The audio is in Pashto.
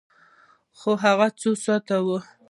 هغه څو ساعته وی؟